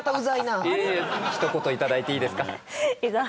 ひと言頂いていいですか？